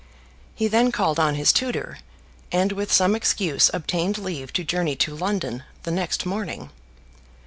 He then called on his tutor, and with some excuse obtained leave to journey to London the next morning.